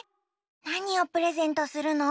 なにをプレゼントするの？